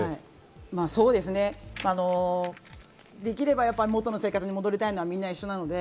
できれば元の生活に戻りたいのはみんな一緒なので。